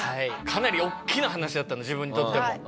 かなりおっきな話だったんで自分にとっても。